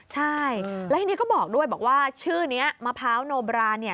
ใช่แล้วทีนี้ก็บอกด้วยบอกว่าชื่อนี้มะพร้าวโนบราเนี่ย